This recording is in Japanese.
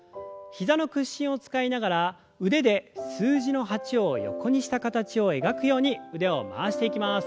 膝の屈伸を使いながら腕で数字の８を横にした形を描くように腕を回していきます。